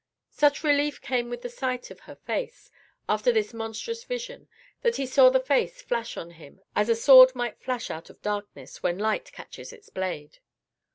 Such relief came with the sight of her face, after this monstrous vision, that he saw the face flash on him as a sword might flash out of darkness when light catches its blade.